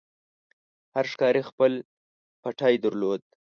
هر ښکاري خپل پټی درلود.